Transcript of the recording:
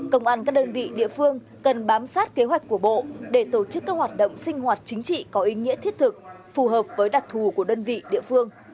công an các đơn vị địa phương cần bám sát kế hoạch của bộ để tổ chức các hoạt động sinh hoạt chính trị có ý nghĩa thiết thực phù hợp với đặc thù của đơn vị địa phương